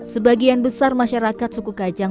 sebagian besar masyarakat suku kajang